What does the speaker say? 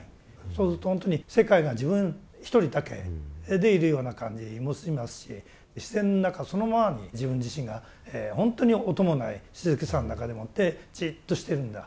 そうするとほんとに世界が自分一人だけでいるような感じもしますし自然の中そのままに自分自身がほんとに音もない静けさの中でもってじっとしてるんだ。